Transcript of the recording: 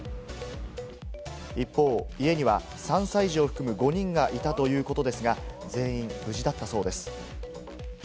一方、家には３歳児を含む５人がいたということですが、全員無事だったそうです。